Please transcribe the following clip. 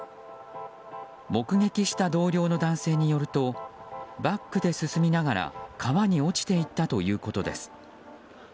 目撃した同僚の男性によるとバックで進みながら川に落ちていったということです。